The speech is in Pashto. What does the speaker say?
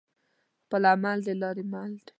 خپل عمل د لاري مل وي